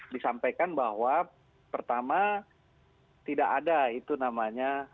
disampaikan bahwa pertama tidak ada itu namanya